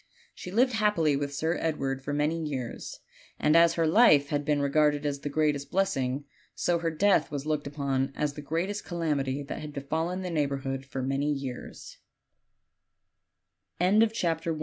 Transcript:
She lived happily with Sir Edward for many years; and as her life had been regarded as the greatest blessing, so her death was looked upon as the greatest calamity that had befallen the neighborhood f